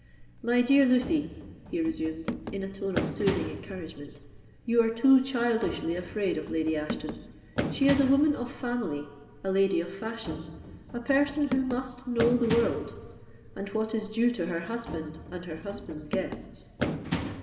My dear Lucy," he resumed, in a tone of soothing encouragement, "you are too childishly afraid of Lady Ashton; she is a woman of family—a lady of fashion—a person who must know the world, and what is due to her husband and her husband's guests."